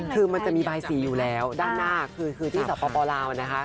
คือมันจะมีบายสีอยู่แล้วด้านหน้าคือที่สปลาวนะคะ